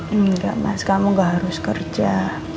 engga mas kamu ga harus kerja